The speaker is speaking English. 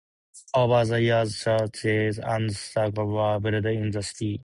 Over the years, churches and castles were built in the city.